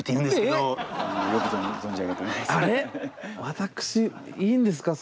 私いいんですか？